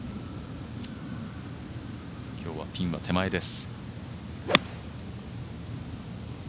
今日はピンは手前です。